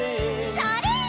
それ！